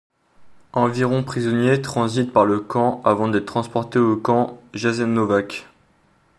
Environ prisonniers transitent par le camp avant d'être transportés au camp Jasenovac.